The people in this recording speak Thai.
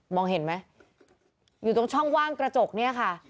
เห็นไหมอยู่ตรงช่องว่างกระจกเนี่ยค่ะ